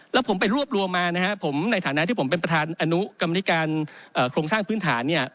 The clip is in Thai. แล้วผมไปรวบรวมมาในฐานะที่ผมเป็นประธานอนุกรรมริการโครงสร้างพื้นฐาน